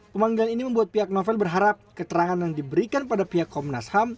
pemanggilan ini membuat pihak novel berharap keterangan yang diberikan pada pihak komnas ham